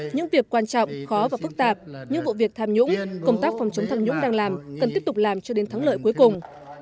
những việc quan trọng khó và phức tạp những vụ việc tham nhũng công tác phòng chống tham nhũng đang làm cần tiếp tục làm cho đến thắng lợi cuối cùng